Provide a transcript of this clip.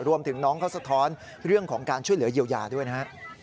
รวมถึงน้องเขาสะท้อนเรื่องของการช่วยเหลือเยียวยาด้วยนะฮะ